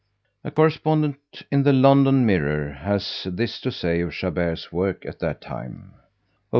A correspondent in the London Mirror has this to say of Chabert's work at that time: "Of M.